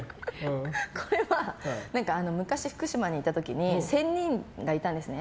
これは昔、福島にいた時に仙人がいたんですね。